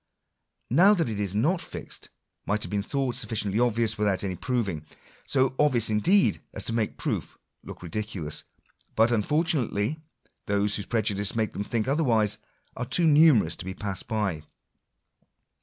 Now that it is not fixed, might have been thought suffi ciently obvious without any proving — so obvious indeed as to make proof look ridiculous. But, unfortunately, those whose prejudices make them think otherwise are too numerous to be passed by.